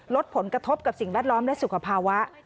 ลดผลกระทบกับสิ่งแวดล้อมและสุขภาวะ